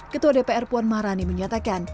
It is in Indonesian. ketua dpr puan maharani menyatakan